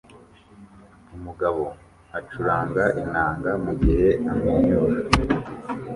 Umugabo acuranga inanga mugihe amwenyura